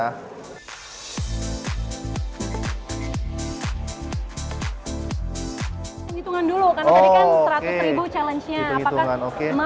hitungan dulu karena tadi kan seratus ribu challenge nya apakah